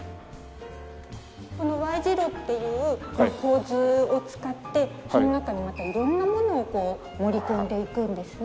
このＹ字路っていう構図を使ってその中にまた色んなものを盛り込んでいくんですね。